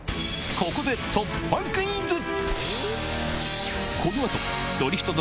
ここで突破クイズ！